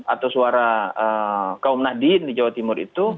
atau suara kaum nahdien di jawa timur itu